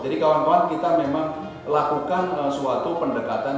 jadi kawan kawan kita memang lakukan suatu pendekatan